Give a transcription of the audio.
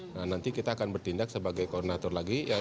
nah nanti kita akan bertindak sebagai koordinator lagi